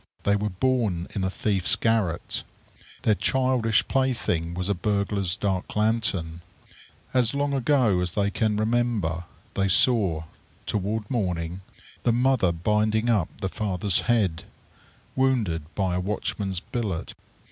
They were born in a thief's garret. Their childish plaything was a burglar's dark lantern. As long ago as they can remember, they saw, toward morning, the mother binding up the father's head, wounded by a watchman's billet.